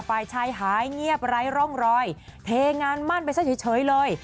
ฝ่ายชายหายเงียบไร้ร่องรอยเทงานมั่นไปซะเฉยเลย